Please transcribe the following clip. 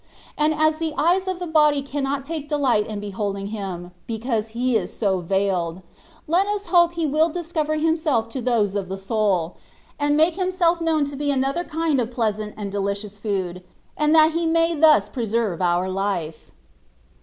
And as the eyes of the body cannot take delight in beholding Him, because He is so veiled, let us hope He will discover Himself to those of the soul, and make Himself known to be another kind of pleasant and delicious food, and that He may thus pre serve our hfe.